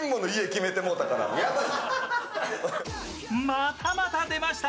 またまた出ました